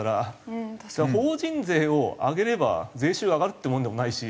法人税を上げれば税収上がるってもんでもないし